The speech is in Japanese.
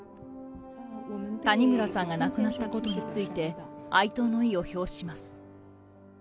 谷村さんが亡くなったことについて、哀悼の意を表します。